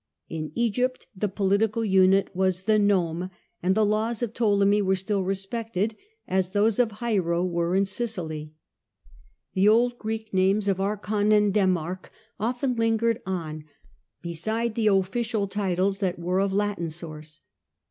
In Egypt the political unit was the Nome, and the laws of Ptolemy were still respected, as those of Hiero were in Sicily. The old Greek names of Archon and of Demarch often lingered on beside the official titles that were of Latin source.